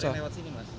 sering lewat sini mas